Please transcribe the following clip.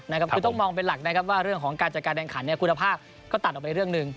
ในการจัดการแดงขันคุณภาพก็ตัดออกไปเรื่องหนึ่ง